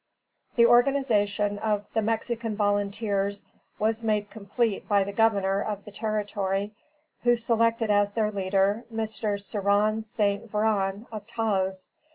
The organization of the Mexican volunteers was made complete by the governor of the Territory, who selected as their leader, Mr. Ceran St. Vrain of Taos.